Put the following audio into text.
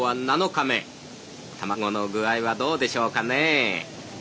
卵の具合はどうでしょうかね。